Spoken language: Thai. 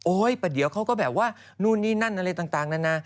โอ้ยปะเดี๋ยวเขาก็แบบว่านู่นนี่นั่นนั่นอะไรต่างนะนะ